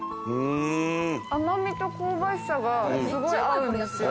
甘みと香ばしさがすごい合うんですよ。